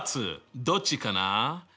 どっちかなせの！